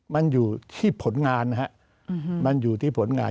มันอยู่ที่ผลงานนะฮะมันอยู่ที่ผลงาน